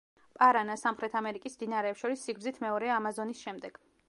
პარანა, სამხრეთ ამერიკის მდინარეებს შორის სიგრძით მეორეა ამაზონის შემდეგ.